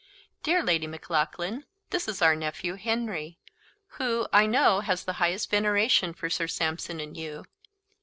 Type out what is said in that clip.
"Dear Lady Maclaughlan, this is our nephew Henry, who, I know, has the highest veneration for Sir Sampson and you.